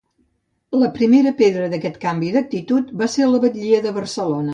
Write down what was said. La primera pedra d’aquest canvi d’actitud va ser la batllia de Barcelona.